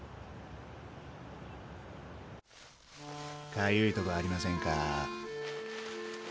かゆいとこありませんか？